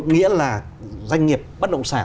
nghĩa là doanh nghiệp bất động sản